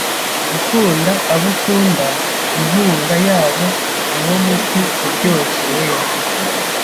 Gukunda abo ukunda, inkunga yabo niwo muti uryoshye w'ejo